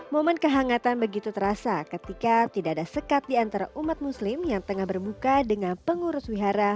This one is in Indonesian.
momen kehangatan begitu terasa ketika tidak ada sekat di antara umat muslim yang tengah berbuka dengan pengurus wihara